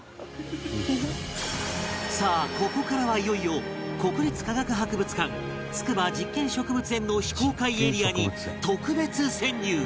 さあここからはいよいよ国立科学博物館筑波実験植物園の非公開エリアに特別潜入！